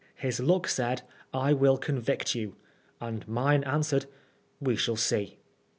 His look said I will convict you, and mine answered " We shall see."